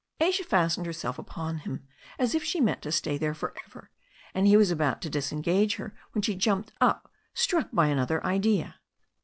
Asia fastened herself upon him as if she meant to stay there for ever, and he was about to disentangle her when she jumped up, struck by another idea.